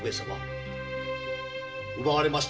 奪われました